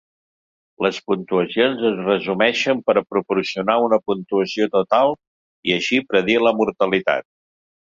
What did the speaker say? Les puntuacions es resumeixen per proporcionar una puntuació total i així predir la mortalitat.